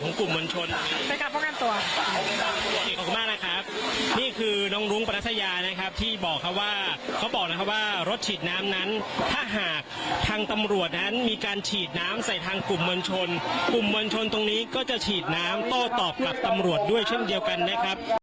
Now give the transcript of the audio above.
กลุ่มมวลชนในการว่าเขาบอกนะครับว่ารถฉีดน้ำนั้นถ้าหากทางตำรวจนั้นมีการฉีดน้ำใส่ทางกลุ่มมวลชนกลุ่มมวลชนตรงนี้ก็จะฉีดน้ำโต้ตอบกับตำรวจด้วยเช่นเดียวกันนะครับ